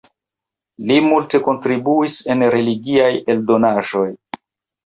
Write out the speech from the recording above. Li multe kontribuis en religiaj eldonaĵoj.